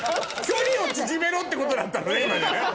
距離を縮めろってことだったのね今ね。